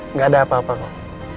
nggak ada apa apa kok